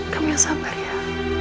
kamu yang sabar ya